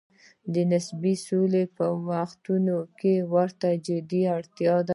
د نسبي سولې په وختونو کې ورته جدي اړتیا ده.